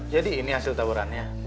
jadi ini hasil taburannya